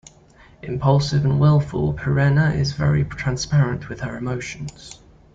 Impulsive and willful, Pirena is very transparent with her emotions.